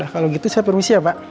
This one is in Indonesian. kalau gitu saya permisi ya pak